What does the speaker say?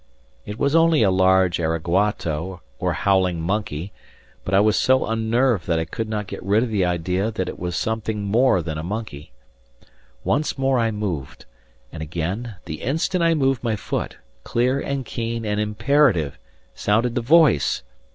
It was only a large araguato, or howling monkey, but I was so unnerved that I could not get rid of the idea that it was something more than a monkey. Once more I moved, and again, the instant I moved my foot, clear, and keen, and imperative, sounded the voice!